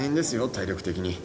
体力的に。